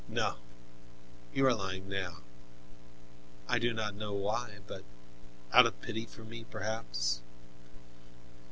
No, you are lying now, I do not know why, but out of pity for me, perhaps?"